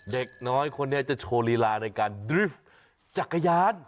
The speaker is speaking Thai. เด็กน้อยคนนี้จะโชว์ลีลาในการดริฟต์จักรยาน